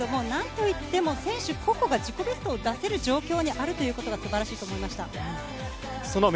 なんといっても選手個々が自己ベストを出せる状況にあるということが素晴らしいです。